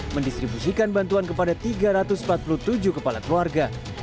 mendistribusikan bantuan kepada tiga ratus empat puluh tujuh kepala keluarga